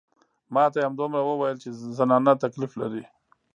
ما ته يې همدومره وويل چې زنانه تکليف لري.